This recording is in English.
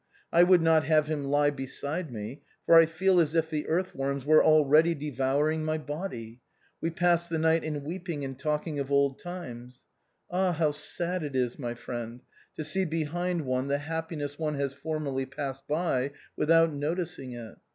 I would not have him lie beside me, for I feel as if the earth worms were already devouring my body. We passed the night in weeping and talking of old times. Ah! how sad it is, my friend, to see behind one the happiness one has formerly passed by without noticing it.